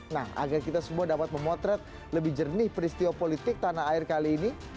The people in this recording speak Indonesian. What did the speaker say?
nah agar kita semua dapat memotret lebih jernih peristiwa politik tanah air kali ini